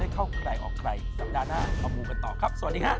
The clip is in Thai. ขอบคุณครับ